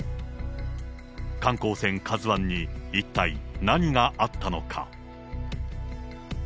観光船カズワンに、一体何があったのか。